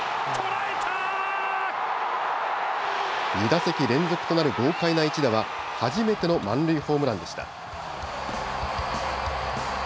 ２打席連続となる豪快な１打は初めての満塁ホームランでした。